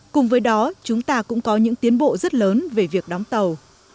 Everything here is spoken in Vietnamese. cùng với đó chúng ta cũng có những tiến bộ rất lớn về việc đóng tàu